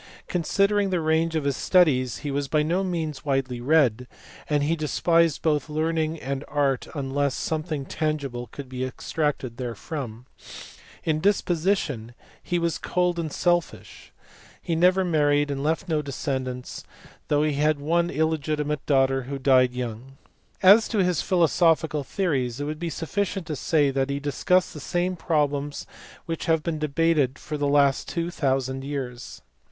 Considering the range of his studies he was by no means widely read, and he de spised both learning and art unless something tangible could be extracted therefrom. In disposition he was cold and selfish. DESCARTES. 273 He never married and left no descendants, though he had one illegitimate daughter who died young. As to his philosophical theories, it will be sufficient to say that he discussed the same problems which have been debated for the last two thousand years.